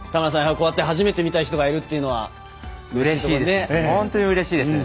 こうやって初めて見た人がいるとうれしいですね。